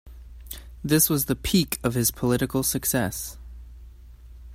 This was the peak of his political success.